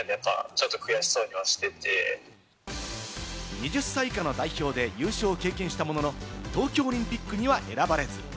２０歳以下の代表で優勝を経験したものの、東京オリンピックには選ばれず。